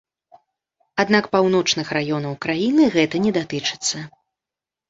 Аднак паўночных раёнаў краіны гэта не датычыцца.